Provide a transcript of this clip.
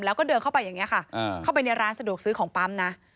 แล้วก็เดินเข้าไปอย่างนี้ค่ะเข้าไปในร้านสะดวกซื้อของปั๊มนะ